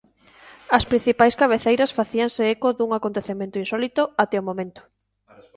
As principais cabeceiras facíanse eco dun acontecemento insólito até o momento.